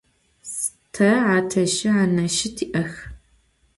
Te ateşşi aneşşi ti'ex.